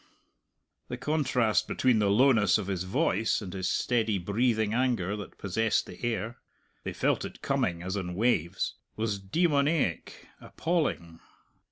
The contrast between the lowness of his voice and his steady, breathing anger that possessed the air (they felt it coming as on waves) was demoniac, appalling.